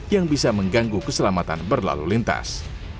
yang bisa mengganggu keselamatan berlalu lintas